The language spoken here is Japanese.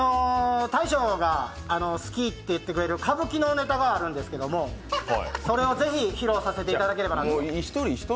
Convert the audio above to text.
大将が好きって言ってくれる歌舞伎のネタがあるんですけどそれをぜひ披露させていただければなと。